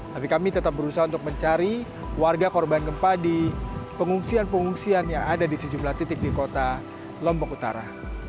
tapi kami tetap berusaha untuk mencari warga korban gempa di pengungsian pengungsian yang ada di sejumlah titik di kota lombok utara